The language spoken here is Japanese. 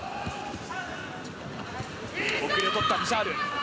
奥襟を取ったブシャール。